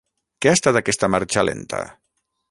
Què ha estat aquesta marxa lenta?